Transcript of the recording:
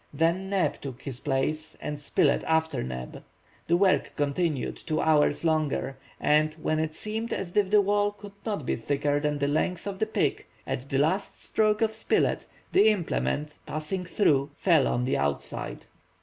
Then Neb took his place, and Spilett after Neb. The work continued, two hours longer, and, when it seemed as if the wall could not be thicker than the length of the pick, at the last stroke of Spilett the implement, passing through, fell on the outside.